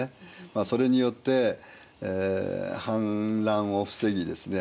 まあそれによって反乱を防ぎですね